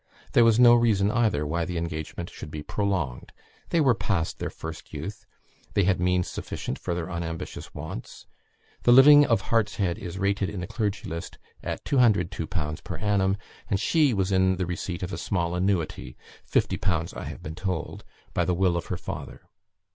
There was no reason either why the engagement should be prolonged. They were past their first youth; they had means sufficient for their unambitious wants; the living of Hartshead is rated in the Clergy List at 202_l_. per annum, and she was in the receipt of a small annuity (50_l_. I have been told) by the will of her father.